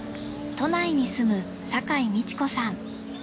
都内に住む酒井道子さん。